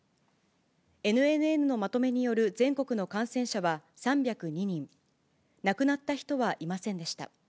ＮＮＮのまとめによる全国の感染者は３０２人、亡くなった人はいませんでした。